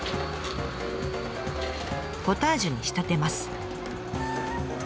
ポタージュに仕立てます。